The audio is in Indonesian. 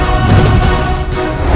aku tidak mau berpikir seperti itu